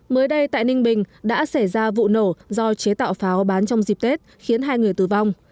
mới đây tại ninh bình đã xảy ra vụ nổ do chế tạo pháo bán trong dịp tết khiến hai người tử vong